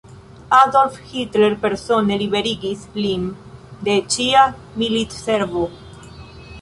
Adolf Hitler persone liberigis lin de ĉia militservo.